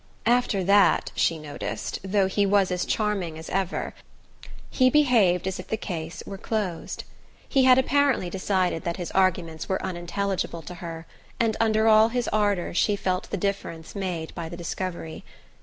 After that, she noticed, though he was as charming as ever, he behaved as if the case were closed. He had apparently decided that his arguments were unintelligible to her, and under all his ardour she felt the difference made by the discovery.